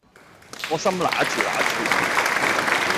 個心揦住揦住